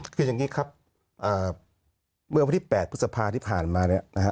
คืออย่างนี้ครับเมื่อวันที่๘พฤษภาที่ผ่านมา